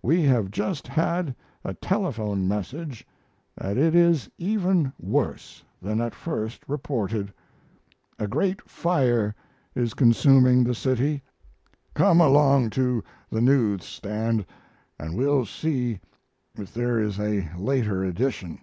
We have just had a telephone message that it is even worse than at first reported. A great fire is consuming the city. Come along to the news stand and we'll see if there is a later edition."